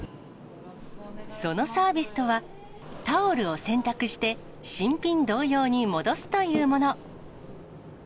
そのサービスとは、タオルを洗濯して、新品同様に戻すというもの。